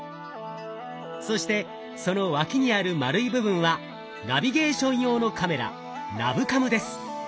そしてその脇にある丸い部分はナビゲーション用のカメラナブカムです。